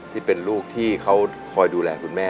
ที่เป็นลูกที่เขาคอยดูแลคุณแม่